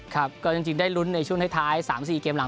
ครับก็จริงได้ลุ้นในช่วงท้าย๓๔เกมหลัง